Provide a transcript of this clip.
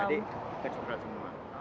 jadi kecokel semua